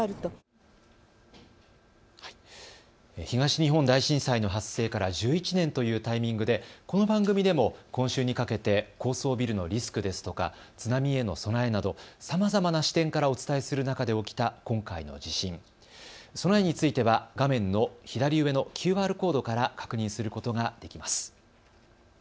東日本大震災の発生から１１年というタイミングでこの番組でも今週にかけて高層ビルのリスクですとか津波への備えなどさまざまな視点からお伝えする中で起きた今回の地震、備えについては画面の左上のＱＲコードから確認することができます。